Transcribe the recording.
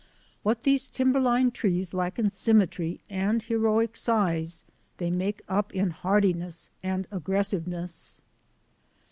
What these tim berline trees lack in symmetry and heroic size they make up in hardiness and aggressiveness.